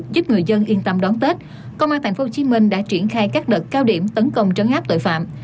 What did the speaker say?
giúp người dân yên tâm đón tết công an tp hcm đã triển khai các đợt cao điểm tấn công trấn áp tội phạm